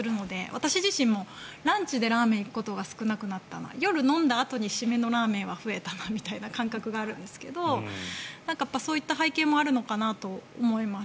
私自身もランチでラーメンに行くことが少なくなったので夜飲んだあとに締めのラーメンは増えたなみたいな感覚はあるんですけどそういった背景もあるのかなと思います。